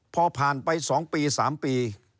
พอผ่านไป๒ปี๓ปี